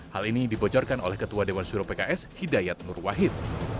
hal ini dibocorkan oleh ketua dewan suruh pks hidayat nur wahid